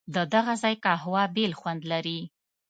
ددغه ځای قهوه بېل خوند لري.